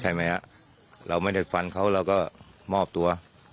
ใช่มั้ยฮะเราไม่ได้ฟันเขาแล้วก็มอบตัว